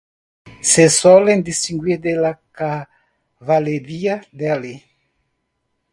Se suelen distinguir de la caballería "deli".